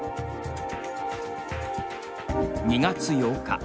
２月８日。